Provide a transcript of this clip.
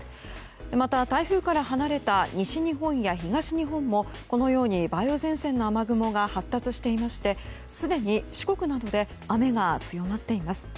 また、台風から離れた西日本や東日本もこのように梅雨前線の雨雲が発達していましてすでに四国などで雨が強まっています。